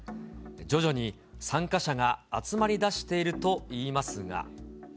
徐々に参加者が集まりだしているといいますが。